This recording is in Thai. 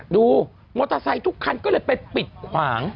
ดูมอเตอร์ไซค์ทุกคันก็เลยไปปิดขวาง